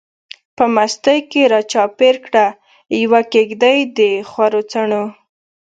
په مستۍ کی را چار پیر کړه، یوه کیږدۍ دخورو څڼو